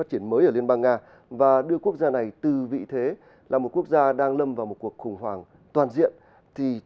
xin chào và hẹn gặp lại